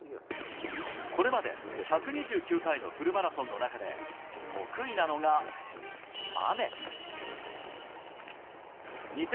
これまで１２９回のフルマラソンの中で、得意なのが雨。